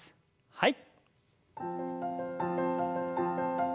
はい。